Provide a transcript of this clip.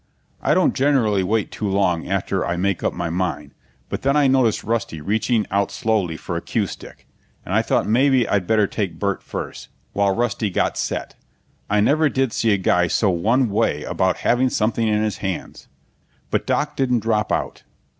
I don't generally wait too long after I make up my mind, but then I noticed Rusty reaching out slowly for a cue stick, and I thought maybe I'd better take Burt first, while Rusty got set. I never did see a guy so one way about having something in his hands. But Doc didn't drop out.